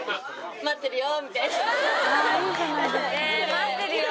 待ってるよ。